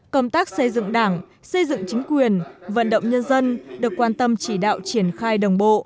công tác xây dựng đảng xây dựng chính quyền vận động nhân dân được quan tâm chỉ đạo triển khai đồng bộ